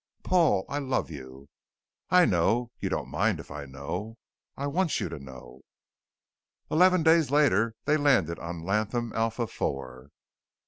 "Paul I love you." "I know you don't mind if I know?" "I want you to know " Eleven days later they landed on Latham Alpha IV.